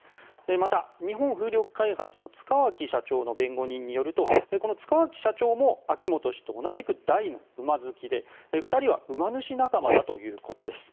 また、日本風力開発の塚脇社長の弁護人によると塚脇社長も秋本氏と同じく大の馬好きで２人は馬主仲間だということです。